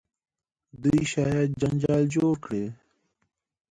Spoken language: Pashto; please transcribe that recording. دوی شاید جنجال جوړ کړي.